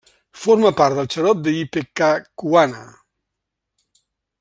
Forma part del xarop d'ipecacuana.